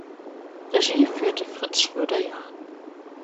Regie führte Fritz Schröder-Jahn.